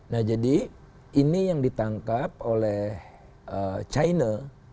nah jadi ini yang ditangkap oleh china